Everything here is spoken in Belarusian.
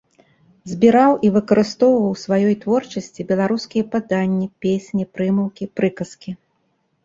Збіраў і выкарыстоўваў у сваёй творчасці беларускія паданні, песні, прымаўкі, прыказкі.